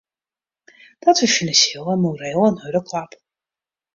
Dat wie finansjeel en moreel in hurde klap.